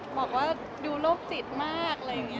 บอกว่าดูโรคจิตมากอะไรอย่างนี้